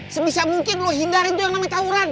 sebisa mungkin lo hindarin tuh yang namanya tauran